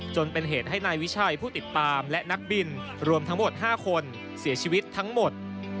จนเป็นเหตุให้นายวิชัยผู้ติดตามและนักบินรวมทั้งหมด๕คนเสียชีวิตทั้งหมด